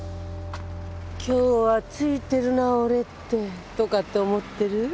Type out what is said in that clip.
「今日はついてるな俺って」とかって思ってる？